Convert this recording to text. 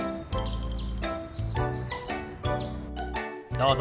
どうぞ。